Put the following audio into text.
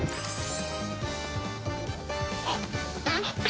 あっ！